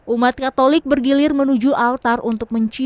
umat katolik bergilir menuju altar untuk mencium salib